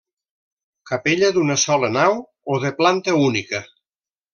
Capella d'una sola nau o de planta única.